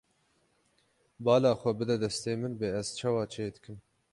Bala xwe bide destê min bê ez çawa çêdikim.